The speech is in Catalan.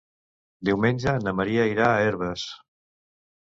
Diumenge na Maria anirà a Herbers.